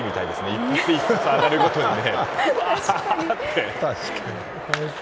一発一発、上がるごとにね。